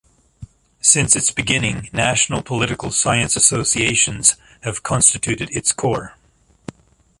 Since its beginning, national political science associations have constituted its core.